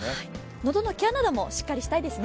喉のケアなどもしっかりしたいですね。